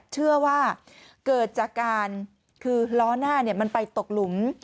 เชื่อว่าเกิดจากการคือล้อหน้ามันไปตกหลุม